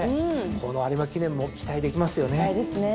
この有馬記念も期待できますよね。